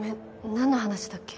何の話だっけ？